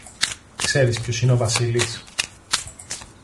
Ξέρεις ποιος είναι ο Βασίλης;